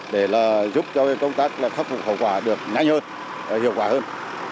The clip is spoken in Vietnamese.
để giúp cho công tác khắc phục hậu quả được nhanh hơn hiệu quả hơn